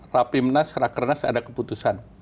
rapimnas rakernas ada keputusan